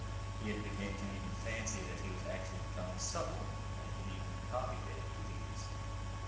He had begun to even fancy that he was actually becoming supple, and could copy Davy with ease.